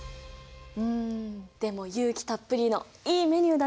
んでも有機たっぷりのいいメニューだね。